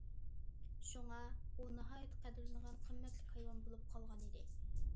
شۇڭا، ئۇ ناھايىتى قەدىرلىنىدىغان قىممەتلىك ھايۋان بولۇپ قالغانىدى.